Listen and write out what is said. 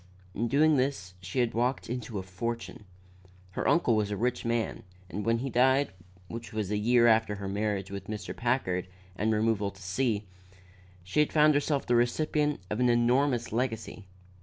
In doing this she had walked into a fortune. Her uncle was a rich man and when he died, which was about a year after her marriage with Mr. Packard and removal to C , she found herself the recipient of an enormous legacy.